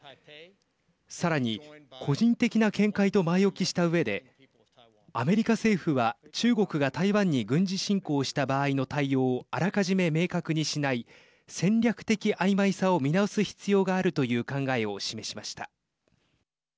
さらに、個人的な見解と前置きしたうえでアメリカ政府は中国が台湾に軍事侵攻した場合の対応をあらかじめ明確にしない戦略的あいまいさを見直す必要があるという考えを示しました。